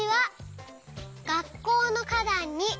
「がっこうのかだんに」